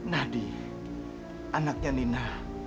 nadi anaknya nina